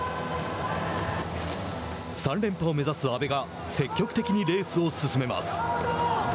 ３連覇を目指す安部が積極的にレースを進めます。